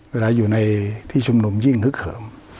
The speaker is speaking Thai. เวลาอยู่ในที่ชุมนุมยิ่งฮึกเหิม